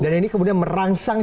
dan ini kemudian merangsang